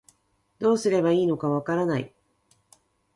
どうすればいいのかわからない